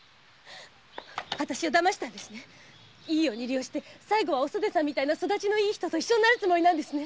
いいように利用して最後はお袖さんみたいな育ちのいい人と一緒になるつもりなんですね！